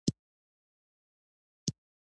عبارت د تشریح له پاره راځي.